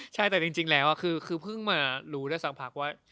ใช่แต่จริงแล้วคือเพิ่งมารู้ได้สักพักว่า